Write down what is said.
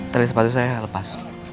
tali sepatu saya lepas